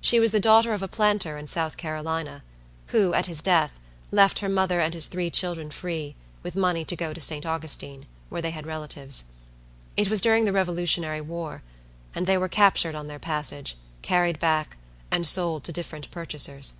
She was the daughter of a planter in South Carolina, who, at his death, left her mother and his three children free, with money to go to St. Augustine, where they had relatives. It was during the Revolutionary War; and they were captured on their passage, carried back, and sold to different purchasers.